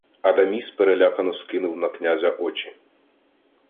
Адаміс перелякано скинув на князя очі.